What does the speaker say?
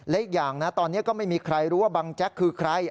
และอีกอย่างนะตอนนี้ก็ไม่มีใครรู้ว่าบังแจ๊กคือใคร